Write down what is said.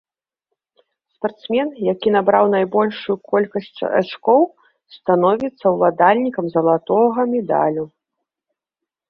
Спартсмен, які набраў найбольшую колькасць ачкоў, становіцца ўладальнікам залатога медалю.